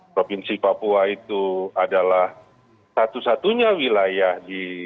provinsi papua itu adalah satu satunya wilayah di